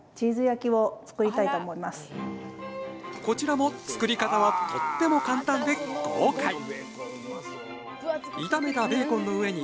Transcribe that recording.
こちらも作り方はとっても簡単で豪快！